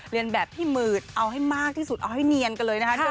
เรียนแบบที่มืดเอาให้มากที่สุดเอาให้เนียนกันเลยนะคะ